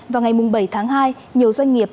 vào ngày bảy tháng hai nhiều doanh nghiệp